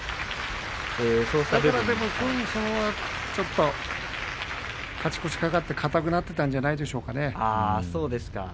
ちょっと勝ち越しが懸かって硬くなっていたんじゃないでしょうかね。